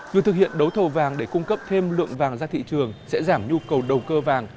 việc thực hiện đấu thầu vàng để cung cấp thêm lượng vàng ra thị trường sẽ giảm nhu cầu đầu cơ vàng